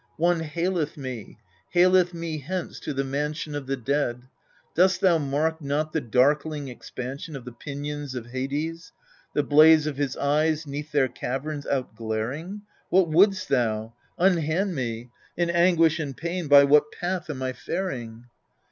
One haleth me haleth me hence to the mansion Of the dead ! dost thou mark not the darkling expansion Of the pinions of Hades, the blaze of his eyes 'neath their caverns out glaring ? What wouldst thou ? Unhand me ! In anguish and pain by what path am I faring